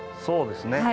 そうですね。